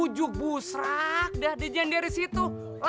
ujug busrak dah di jendari situ